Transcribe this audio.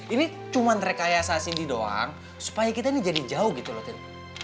ini cuma rekayasa sindi doang supaya kita ini jadi jauh gitu loh tin